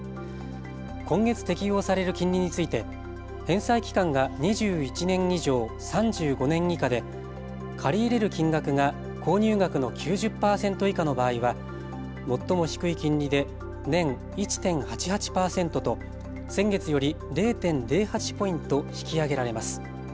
今月、適用される金利について返済期間が２１年以上、３５年以下で借り入れる金額が購入額の９０％以下の場合は最も低い金利で年１．８８％と先月より０．０８ポイント引き上げられます。